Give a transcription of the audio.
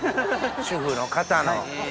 主婦の方の。